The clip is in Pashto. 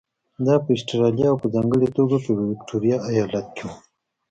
دا په اسټرالیا او په ځانګړې توګه په ویکټوریا ایالت کې وو.